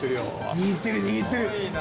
握ってる握ってる。